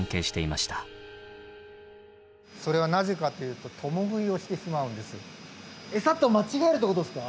それはなぜかというと餌と間違えるってことですか？